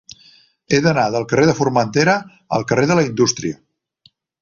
He d'anar del carrer de Formentera al carrer de la Indústria.